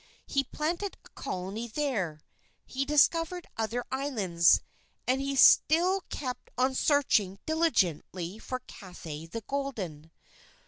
He planted a colony there. He discovered other islands. And he still kept on searching diligently for Cathay the Golden.